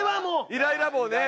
イライラ棒ね。